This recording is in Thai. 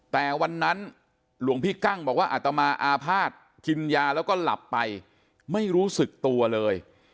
แต่วันนั้นหลวงพี่กั้งบอกว่าอัตมาอาภาษณ์กินยาแล้วก็หลับไปไม่รู้สึกตัวเลย